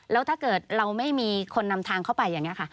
แล้วถ้าเกิดเราไม่มีคนนำทางเข้าไปอย่างนี้ค่ะ